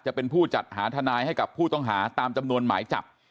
จะเป็นผู้จัดหาทนายให้กับผู้ต้องหาตามจำนวนหมายจับ